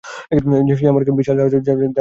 সে এমন এক বিশাল জাহাজ যার কোন নজীর ছিল না।